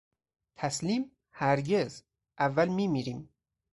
تسلیم؟ هرگز! اول میمیریم!